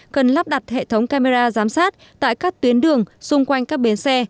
cần lắp đặt hệ thống camera giám sát tại các tuyến đường xung quanh các bến xe